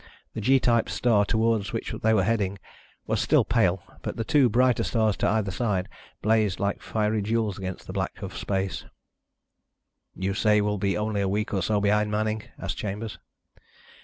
The G type star toward which they were heading was still pale, but the two brighter stars to either side blazed like fiery jewels against the black of space. "You say we'll be only a week or so behind Manning?" asked Chambers.